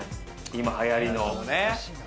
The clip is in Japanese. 今はやりの。